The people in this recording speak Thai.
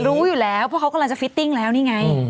รู้อยู่แล้วเพราะเขากำลังจะฟิตติ้งแล้วนี่ไง